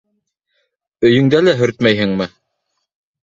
— Өйөңдә лә һөртмәйһеңме?